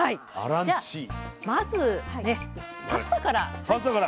じゃあまずねパスタからどうぞ。